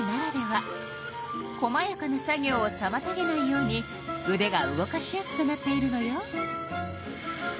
こまやかな作業をさまたげないようにうでが動かしやすくなっているのよ。